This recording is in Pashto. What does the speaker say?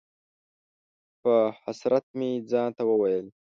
په حسرت مې ځان ته وویل: